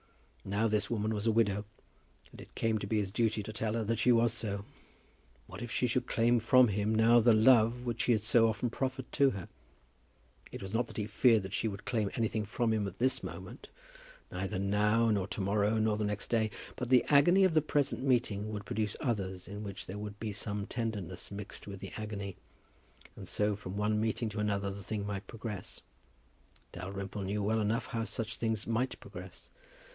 Now, this woman was a widow, and it came to be his duty to tell her that she was so. What if she should claim from him now the love which he had so often proffered to her! It was not that he feared that she would claim anything from him at this moment, neither now, nor to morrow, nor the next day, but the agony of the present meeting would produce others in which there would be some tenderness mixed with the agony; and so from one meeting to another the thing would progress. Dalrymple knew well enough how such things might progress.